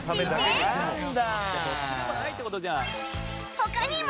他にも